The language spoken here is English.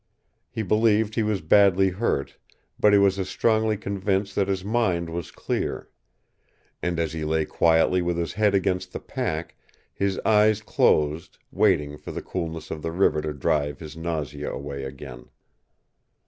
He believed he was badly hurt, but he was as strongly convinced that his mind was clear. And he lay quietly with his head against the pack, his eyes closed, waiting for the coolness of the river to drive his nausea away again.